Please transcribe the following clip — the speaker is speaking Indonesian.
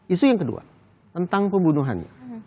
isu yang kedua tentang pembunuhannya